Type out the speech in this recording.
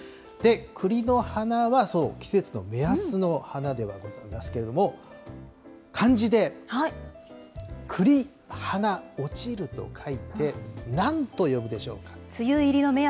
クリの花は、そう、季節の目安の花ではございますけれども、感じで、栗花落ちると書いて、なんと読むでしょうか。